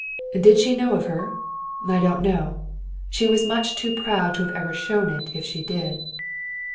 Did she know of her? I don't know. She was much too proud to have ever shown it if she did.